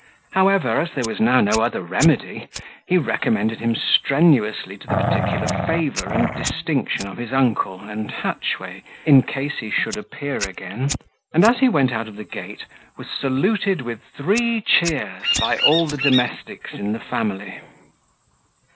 However, as there was now no other remedy, he recommended him strenuously to the particular favour and distinction of his uncle and Hatchway, in case he should appear again; and as he went out of the gate, was saluted with three cheers by all the domestics in the family.